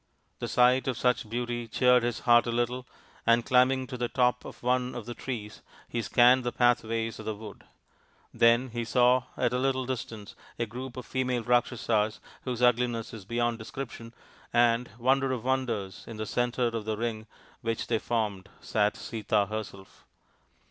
The sight of such beauty cheered his heart a little, and climbing to the top of one of the trees he scanned the pathways of the wood. Then he saw at a little distance a group of female Rakshasas whose ugliness is beyond description, and, wonder of wonders, in the centre of the ring which they formed sat Sita herself!